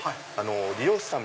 理容師さん